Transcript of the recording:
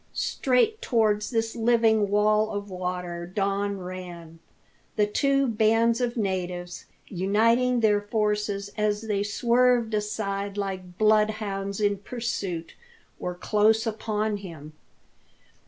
Straight towards this living wall of water Don ran. The two bands of natives, uniting their forces as they swerved aside like bloodhounds in pursuit, were close upon him.